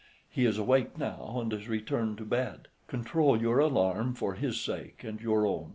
He is awake now and has returned to bed. Control your alarm for his sake and your own.